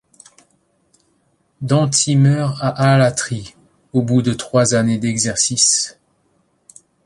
Danti meurt à Alatri, au bout de trois années d'exercice.